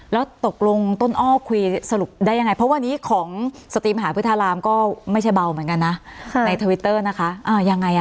แล้วตกลงต้นอ้อคุยสรุปได้ยังไงเพราะว่านี้ของสติมหาพื้นทารามก็ไม่ใช่เบาเหมือนกันนะในทวิตเตอร์นะคะอ๋อยังไงอ่ะค่ะ